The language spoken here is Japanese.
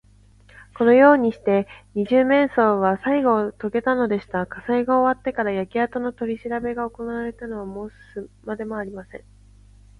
このようにして、二十面相はさいごをとげたのでした。火災が終わってから、焼けあとのとりしらべがおこなわれたのは申すまでもありません。